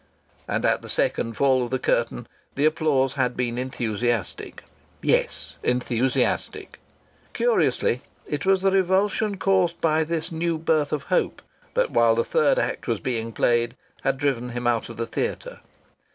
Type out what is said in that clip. And at the second fall of the curtain the applause had been enthusiastic. Yes, enthusiastic! Curiously, it was the revulsion caused by this new birth of hope that, while the third act was being played, had driven him out of the theatre.